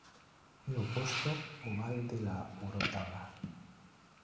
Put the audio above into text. É oposto ao Val de La Orotava.